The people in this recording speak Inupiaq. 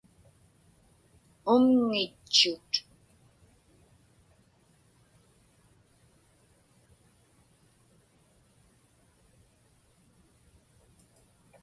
Umŋitchut.